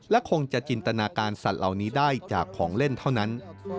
และคงจะจินตนาการสัตว์เหล่านี้ได้จากของเล่นเท่านั้น